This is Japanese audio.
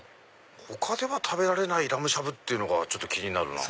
他では食べられないラムしゃぶが気になるなぁ。